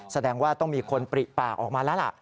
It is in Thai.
แสดงว่าต้องมีคนปริปากออกมาแล้วล่ะ